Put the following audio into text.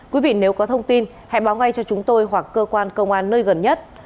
quý vị nếu có thông tin hãy báo ngay cho chúng tôi hoặc cơ quan công an nơi gần nhất